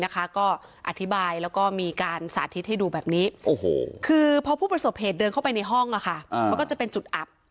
ก็อธิบายแล้วก็มีการสาธิตให้ดูแบบนี้คือพอผู้ประสบเหตุเดินเข้าไปในห้องเขาก็จะเป็นจุดอับ